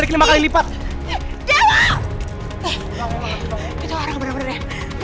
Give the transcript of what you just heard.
eh eh eh ada orang bener bener ya